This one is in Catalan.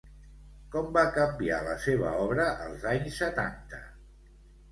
Com va canviar la seva obra als anys setanta?